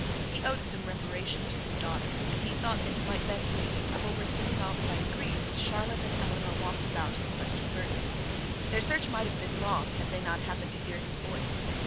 He owed some reparation to his daughter, and he thought that he might best make it by obedience. And thus the people were thinning off by degrees, as Charlotte and Eleanor walked about in quest of Bertie. Their search might have been long, had they not happened to hear his voice.